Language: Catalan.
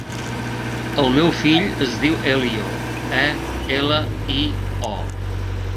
El meu fill es diu Elio: e, ela, i, o.